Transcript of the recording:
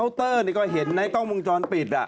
อาวุธเตอร์นี่ก็เห็นนะต้องมุ่งจรปิดอะ